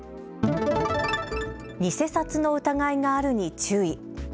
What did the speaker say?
偽札の疑いがあるに注意。